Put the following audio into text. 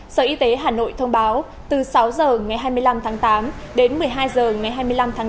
sở y tế hà nội thông báo từ sáu h ngày hai mươi năm tháng tám đến một mươi hai h ngày hai mươi năm tháng tám